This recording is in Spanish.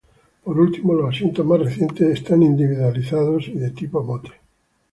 Por último, los asientos, más recientes, son individualizados y de tipo "Motte".